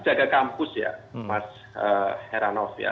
jaga kampus ya mas heranov ya